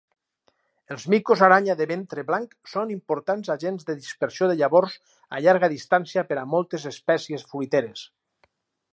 Els micos aranya de ventre blanc són importants agents de dispersió de llavors a llarga distància per a moltes espècies fruiteres.